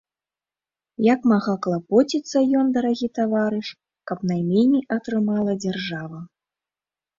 Як мага клапоціцца ён, дарагі таварыш, каб найменей атрымала дзяржава.